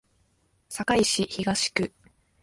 堺市東区